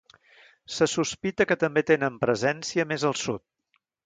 Se sospita que també tenen presència més al sud.